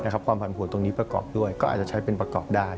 ความผันผวนตรงนี้ประกอบด้วยก็อาจจะใช้เป็นประกอบได้